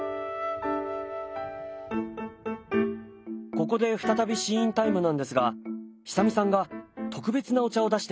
ここで再び試飲タイムなんですが久美さんが特別なお茶を出してくれました。